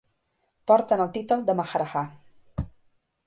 Porten el títol de maharajà.